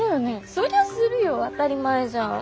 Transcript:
そりゃするよ当たり前じゃん。